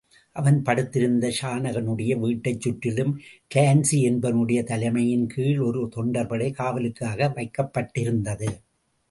அவன் படுத்திருந்த ஷனாகனுடைய வீட்டைச்சுற்றிலும் கிளான்ஸி என்பவனுடைய தலைமையின் கீழ் ஒரு தொண்டர்படை காவலுக்காக வைக்கபட்டிருந்தது.